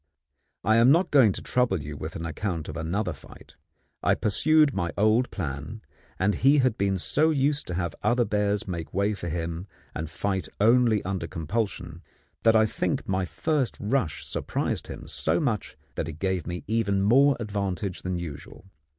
I am not going to trouble you with an account of another fight. I pursued my old plan, and he had been so used to have other bears make way for him, and fight only under compulsion, that I think my first rush surprised him so much that it gave me even more advantage than usual.